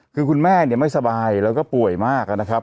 คือคุณแม่เนี่ยไม่สบายแล้วก็ป่วยมากนะครับ